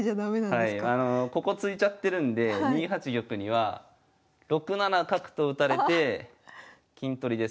ここ突いちゃってるんで２八玉には６七角と打たれて金取りです。